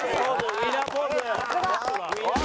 ウィナーポーズ。